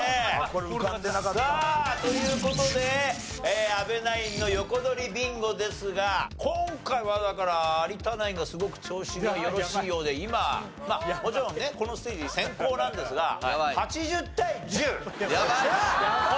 さあという事で阿部ナインの横取りビンゴですが今回はだから有田ナインがすごく調子がよろしいようで今もちろんねこのステージ先攻なんですが８０対１０。